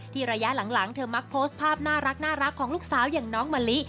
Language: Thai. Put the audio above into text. ระยะหลังเธอมักโพสต์ภาพน่ารักของลูกสาวอย่างน้องมะลิ